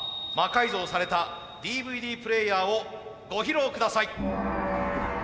改造されたＤＶＤプレーヤーをご披露下さい。